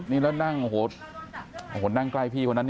นี่แล้วนั่งโอ้โหนั่งใกล้พี่คนนั้น